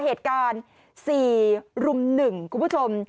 เหตุการณ์๔รุ่ม๑คุณผู้ชม